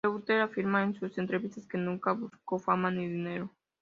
Reuter afirma en sus entrevistas que nunca buscó fama ni dinero.